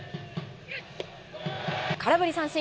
空振り三振。